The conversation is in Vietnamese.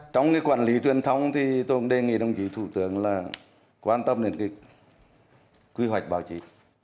trong cái quản lý truyền thông thì tôi cũng đề nghị đồng chí thủ tướng là quan tâm đến cái quy hoạch báo chí